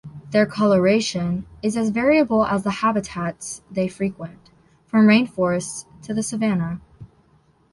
Their colouration is as variable as the habitats they frequent; from rainforest to savannah.